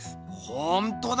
ほんとだ